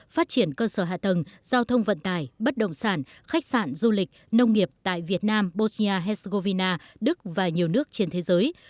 phát triển cơ sở hạ tầng giao thông vận tài bất động sản khách sạn du lịch nông nghiệp tại việt nam bosnia hezgovina đức và nhiều nước trên thế giới